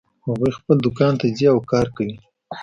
هغوی خپل دوکان ته ځي او کار کوي